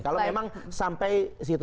kalau memang sampai situ